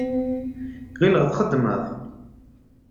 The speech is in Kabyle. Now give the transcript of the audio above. Ɣileɣ txeddmeḍ.